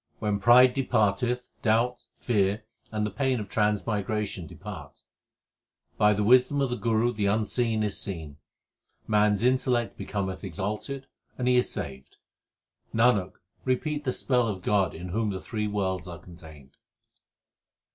When pride departeth, doubt, fear, and the pain of trans migration depart. By the wisdom of the Guru the Unseen is seen, Man s intellect becometh exalted, and he is saved. Nanak, repeat the spell of God in whom the three worlds are contained.